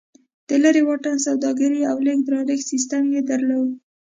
د لېرې واټن سوداګري او لېږد رالېږد سیستم یې درلود